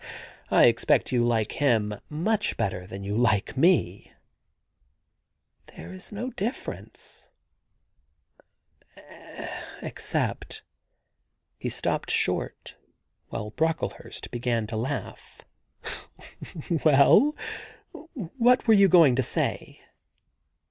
* I expect you like him much better than you like me !'* There is no difference ... except ' He stopped short while Broeklehurst began to laugh. * Well, what were you going to say